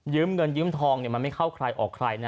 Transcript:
เงินยืมทองมันไม่เข้าใครออกใครนะ